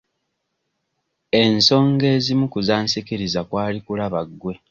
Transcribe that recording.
Ensonga emu ku zansikiriza kwali kulaba gwe.